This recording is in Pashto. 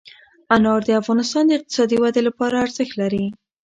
انار د افغانستان د اقتصادي ودې لپاره ارزښت لري.